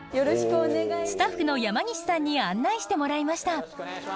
スタッフの山岸さんに案内してもらいました。